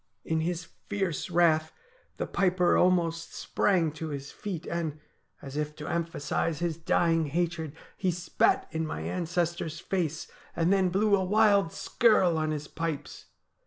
' In his fierce wrath the piper almost sprang to his feet, 64 STORIES WEIRD AND WONDERFUL and, as if to emphasise his dying hatred, he spat in my ancestor's face, and then blew a wild skirl on his pipes.